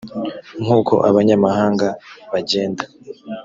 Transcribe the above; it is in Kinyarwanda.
nk uko abanyamahanga bagenda